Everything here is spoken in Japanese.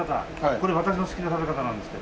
これ私の好きな食べ方なんですけども。